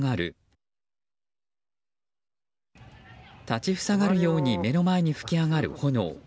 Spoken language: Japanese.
立ち塞がるように目の前に噴き上がる炎。